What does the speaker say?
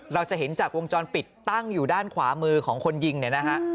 เราจะเห็นจากวงจรปิดตั้งอยู่ด้านขวามือของคนยิงเนี่ยนะฮะ